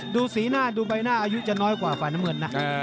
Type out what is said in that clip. ดูสีหน้าดูใบหน้าอายุจะน้อยกว่าฝ่ายน้ำเงินนะ